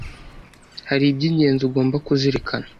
hari iby’ingenzi ugomba kuzirikana